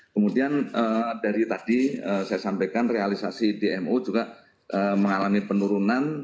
kemudian dari tadi saya sampaikan realisasi dmo juga mengalami penurunan